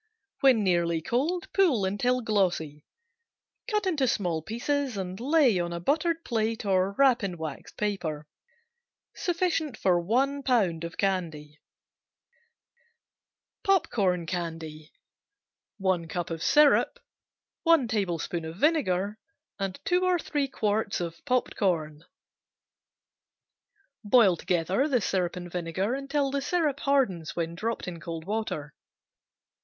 When nearly cold pull until glossy. Cut into small pieces and lay on a buttered plate or wrap in wax paper. Sufficient for one pound of candy. Popcorn Candy Syrup, 1 cup Vinegar, 1 tablespoon Popped corn, 2 or 3 quarts Boil together the syrup and vinegar until syrup hardens when dropped in cold water.